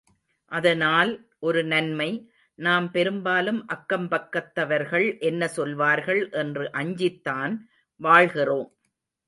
அதனால் ஒரு நன்மை, நாம் பெரும்பாலும் அக்கம் பக்கத்தவர்கள் என்ன சொல்வார்கள் என்று அஞ்சித்தான் வாழ்கிறோம்.